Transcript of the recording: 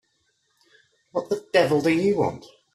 What the devil do you want?